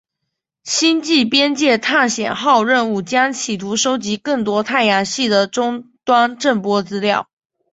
星际边界探险号任务将企图收集更多太阳系的终端震波资料。